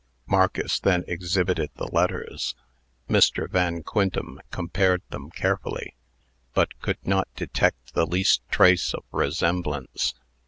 Marcus then exhibited the letters. Mr. Van Quintem compared them carefully, but could not detect the least trace of resemblance.